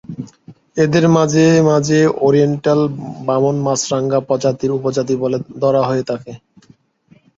এদেরকে মাঝে মাঝে ওরিয়েন্টাল বামন মাছরাঙা প্রজাতির উপজাতি বলে ধরা হয়ে থাকে।